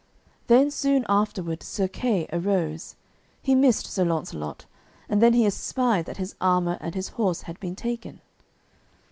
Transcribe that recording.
Then soon afterward Sir Kay arose. He missed Sir Launcelot, and then he espied that his armour and his horse had been taken.